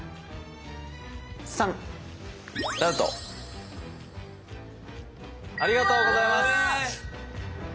３！ありがとうございます。